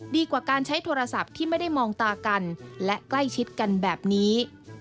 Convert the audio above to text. ดีกว่าการใช้โทรศัพท์ที่ไม่ได้มองตากันและใกล้ชิดกันแบบนี้